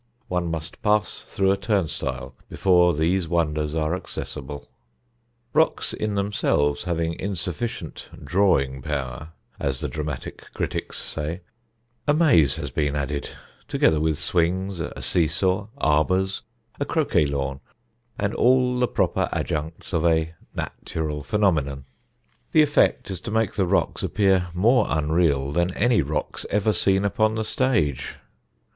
One must pass through a turnstile before these wonders are accessible. Rocks in themselves having insufficient drawing power, as the dramatic critics say, a maze has been added, together with swings, a seesaw, arbours, a croquet lawn, and all the proper adjuncts of a natural phenomenon. The effect is to make the rocks appear more unreal than any rocks ever seen upon the stage.